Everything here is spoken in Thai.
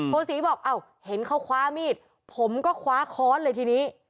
โศีบอกอ้าวเห็นเขาคว้ามีดผมก็คว้าค้อนเลยทีนี้